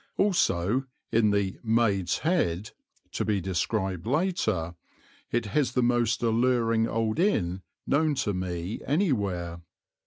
Also, in the "Maid's Head," to be described later, it has the most alluring old inn known to me anywhere.